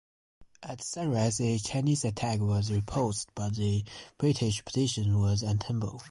At sunrise a Chinese attack was repulsed, but the British position was untenable.